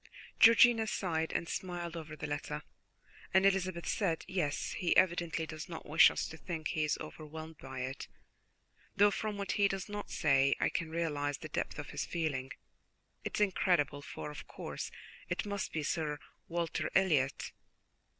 Georgiana sighed and smiled over the letter, and Elizabeth said: "Yes, he evidently does not wish us to think he is overwhelmed by it, though from what he does not say I can realize the depth of his feeling. It is incredible; for, of course, it must be Sir Walter Elliot."